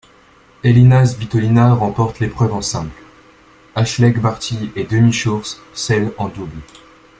Elina Svitolina remporte l'épreuve en simple, Ashleigh Barty et Demi Schuurs celle en double.